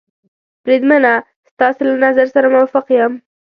بریدمنه، ستاسې له نظر سره موافق یم.